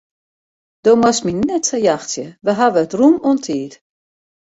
Do moatst my net sa jachtsje, we hawwe it rûm oan tiid.